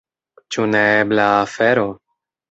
Ĉu neebla afero?